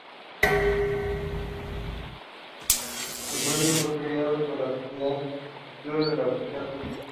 El premio fue creado por la Sociedad de incentivo de la poesía rusa.